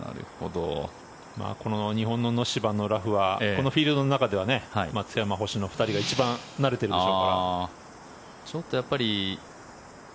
この日本の芝のラフはフィールドの中では松山、星野の２人が一番慣れているでしょうから。